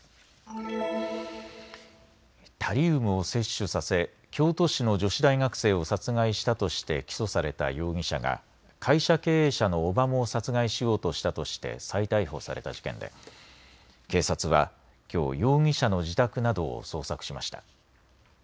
タリウムを摂取させ京都市の女子大学生を殺害したとして起訴された容疑者が会社経営者の叔母も殺害しようとしたとして再逮捕された事件で警察はきょう容疑者の自宅などを捜索しました。